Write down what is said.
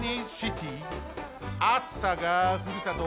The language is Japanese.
あつさがふるさと